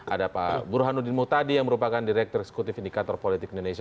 ada pak burhanuddin mutadi yang merupakan direktur eksekutif indikator politik indonesia